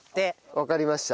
わかりました。